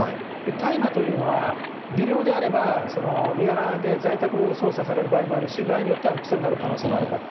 大麻というのは、微量であれば、身柄で在宅捜査される場合もあるし、場合によっては複数になる可能性もあるから。